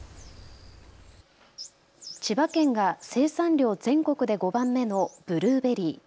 千葉県が生産量全国で５番目のブルーベリー。